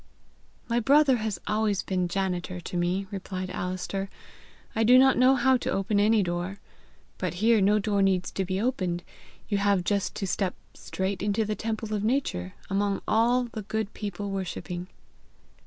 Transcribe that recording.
"My brother has always been janitor to me," replied Alister; "I do not know how to open any door. But here no door needs to be opened; you have just to step straight into the temple of nature, among all the good people worshipping."